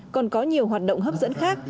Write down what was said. còn có nhiều hoạt động hấp dẫn khác